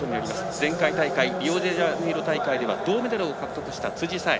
前回大会リオデジャネイロ大会では銅メダルを獲得した辻沙絵。